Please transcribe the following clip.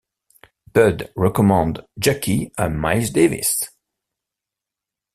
Bud recommande Jackie à Miles Davis.